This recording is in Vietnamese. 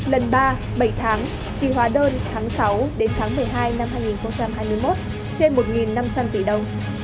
lần ba bảy tháng thì hóa đơn tháng sáu đến tháng một mươi hai năm hai nghìn hai mươi một trên một năm trăm linh tỷ đồng